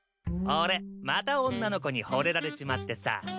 俺また女の子にほれられちまってさ。